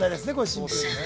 シンプルにね。